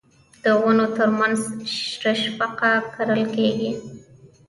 د ونو ترمنځ رشقه کرل کیږي.